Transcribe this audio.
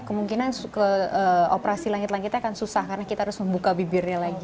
kemungkinan operasi langit langitnya akan susah karena kita harus membuka bibirnya lagi